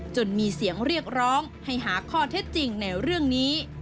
มีเสียงเรียกร้องให้หาข้อเท็จจริงในเรื่องนี้